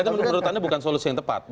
menurut anda itu bukan solusi yang tepat